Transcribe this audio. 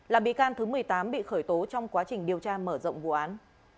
là bị can thứ một mươi tám bị khởi tố trong quá trình điều tra mở rộng vụ án